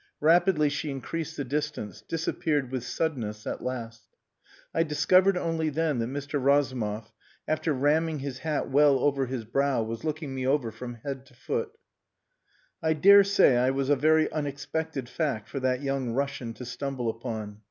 Rapidly she increased the distance disappeared with suddenness at last. I discovered only then that Mr. Razumov, after ramming his hat well over his brow, was looking me over from head to foot. I dare say I was a very unexpected fact for that young Russian to stumble upon.